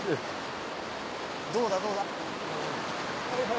どうだどうだ？